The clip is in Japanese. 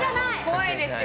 怖いですよ。